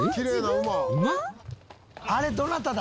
あれどなただ？